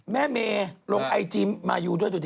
แม่เมลุ่งไอจีมายูด้วยดูดิ